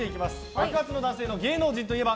白髪の男性芸能人といえば？